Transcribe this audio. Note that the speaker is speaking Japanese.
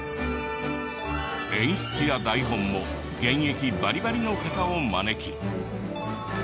演出や台本も現役バリバリの方を招き。